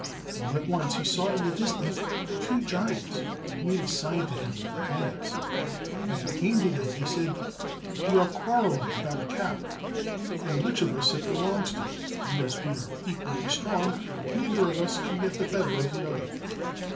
All at once he saw in the distance two giants, who made a sign to him with their hands, and when he came to them they said, "We are quarrelling about a cap, and which of us it is to belong to, and as we are equally strong, neither of us can get the better of the other.